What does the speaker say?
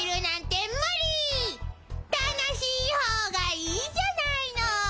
たのしいほうがいいじゃないの！